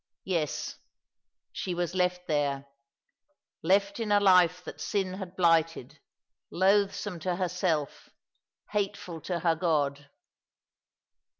Yes, she was left there ; left in a life that sin had blighted ; loathsome to herself, hateful to her God.